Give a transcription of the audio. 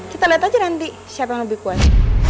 kita lihat aja nanti siapa yang lebih kuat